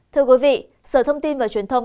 thưa quý vị sở thông tin và truyền thông